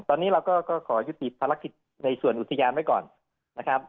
ตอนนี้เราก็ขอยุดดีประลักษณ์ในส่วนอุตยานไว้ก่อนนะครับ